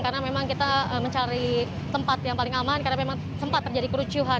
karena memang kita mencari tempat yang paling aman karena memang sempat terjadi kericuhan